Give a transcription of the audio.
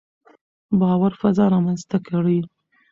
باور فضا رامنځته کړئ.